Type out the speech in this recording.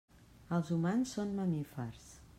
Els humans són mamífers.